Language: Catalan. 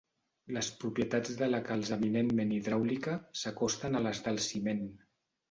Les propietats de la calç eminentment hidràulica s'acosten a les del ciment.